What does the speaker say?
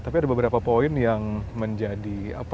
tapi ada beberapa poin yang menjadi